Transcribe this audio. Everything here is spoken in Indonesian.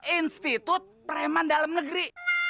institut preman dalam negeri